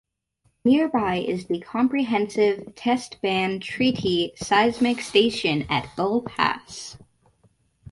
Nearby is the Comprehensive Test Ban Treaty Seismic station at Bull Pass.